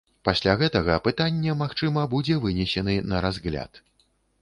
Пасля гэтага пытанне, магчыма, будзе вынесены на разгляд.